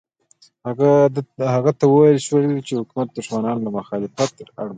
هغه ته وویل شول چې حکومت دښمنان له مخالفته اړ باسي.